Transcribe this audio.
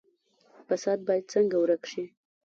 فساد باید څنګه ورک شي؟